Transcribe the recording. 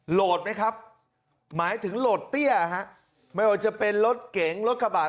โหลดไหมครับหมายถึงโหลดเตี้ยฮะไม่ว่าจะเป็นรถเก๋งรถกระบาด